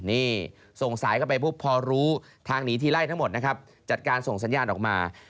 นี่ส่งสายเข้าไปปุ๊บพอรู้ทางหนีทีไล่ทั้งหมดนะครับจัดการส่งสัญญาณออกมา